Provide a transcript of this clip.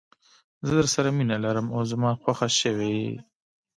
زه درسره مینه لرم او زما خوښه شوي یې.